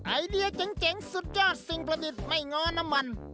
ไอเดียเจ๋งสุดยอดสิ่งประดิษฐ์ไม่ง้อน้ำมัน